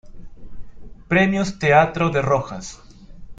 Premios Teatro de Rojas